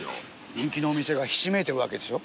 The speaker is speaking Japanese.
人気のお店がひしめいてるわけでしょ？